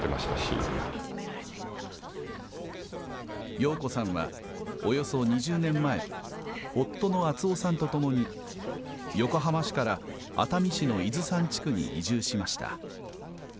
陽子さんは、およそ２０年前、夫の敦雄さんと共に、横浜市から熱海市の伊豆山地区に移住しました。